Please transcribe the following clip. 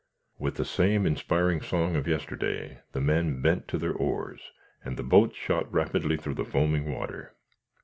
With the same inspiring song of yesterday, the men bent to their oars, and the boats shot rapidly through the foaming water.